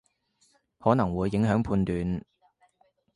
可能會影響判斷